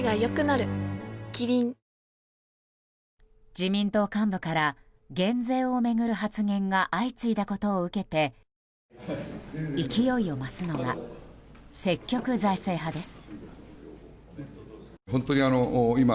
自民党幹部から減税を巡る発言が相次いだことを受けて勢いを増すのが積極財政派です。